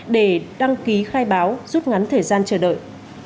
để đăng ký khai báo rút ngắn thời gian chờ đợi